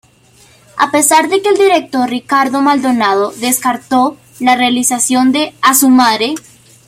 A pesar de que el director Ricardo Maldonado descartó la realización de "¡Asu Mare!